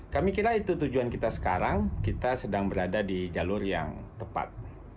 kami kira itu tujuan kita sekarang kita sedang berada di jalur yang tepat